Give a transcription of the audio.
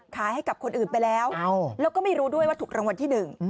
ขายให้กับคนอื่นไปแล้วแล้วก็ไม่รู้ด้วยว่าถูกรางวัลที่หนึ่ง